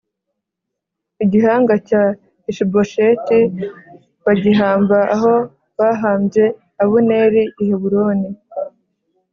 igihanga cya Ishibosheti bagihamba aho bahambye Abuneri i Heburoni